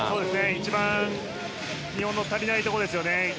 一番、日本の足りないところですよね。